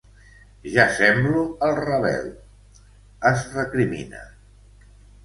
"Ja semblo el Ravel", es recrimina.